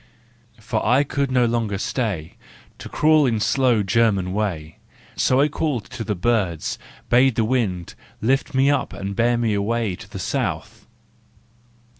For I could no longer stay, To crawl in slow German way ; So I called to the birds, bade the wind Lift me up and bear me away To the South!